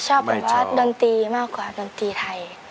ชอบแบบว่าดนตรีมากกว่าดนตรีไทย